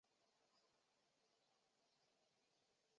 济宁路浸信会教堂旧址现为凯越国际青年旅馆。